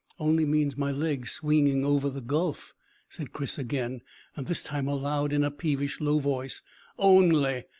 "Only means my legs swinging over the gulf," said Chris again, this time aloud, in a peevish, low voice. "Only!